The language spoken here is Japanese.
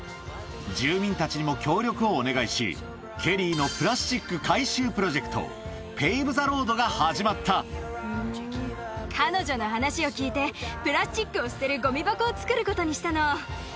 住民たちにも協力をお願いし、ケリーのプラスチック回収プロジェクト、彼女の話を聞いて、プラスチックを捨てるごみ箱を作ることにしたの。